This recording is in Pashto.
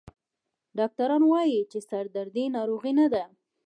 ډاکټران وایي چې سردردي ناروغي نه ده.